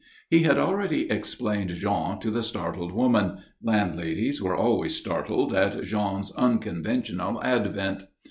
He had already explained Jean to the startled woman landladies were always startled at Jean's unconventional advent.